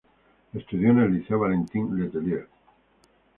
Estudió en el Liceo Valentín Letelier.